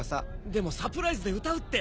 でもサプライズで歌うって！